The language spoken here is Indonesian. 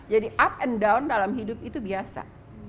jadi up and down dalam hidup itu biasa